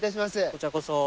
こちらこそ。